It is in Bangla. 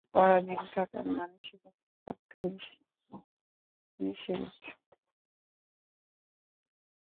পরাধীন থাকার মানসিকতা রক্তে মিশে গেছে।